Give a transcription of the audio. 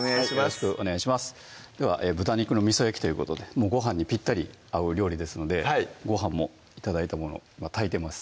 よろしくお願いしますでは「豚肉の味焼き」ということでもうごはんにぴったり合う料理ですのでごはんも頂いたものを炊いてます